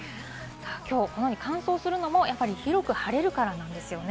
きょう、このように乾燥するのも広く晴れるからなんですよね。